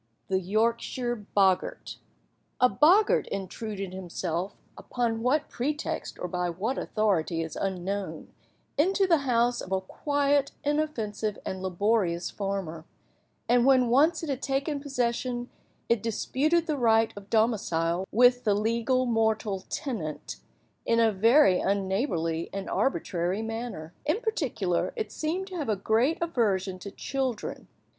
THE YORKSHIRE BOGGART. A boggart intruded himself, upon what pretext or by what authority is unknown, into the house of a quiet, inoffensive, and laborious farmer; and, when once it had taken possession, it disputed the right of domicile with the legal mortal tenant, in a very unneighbourly and arbitrary manner. In particular, it seemed to have a great aversion to children.